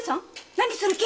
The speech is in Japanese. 何する気？